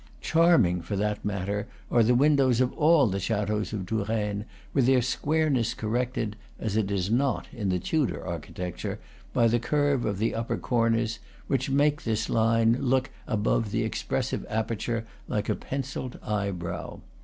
Charming, for that matter, are the windows of all the chateaux of Touraine, with their squareness corrected (as it is not in the Tudor architecture) by the curve of the upper corners, which makes this line look above the expressive aperture like a pencilled eyebrow.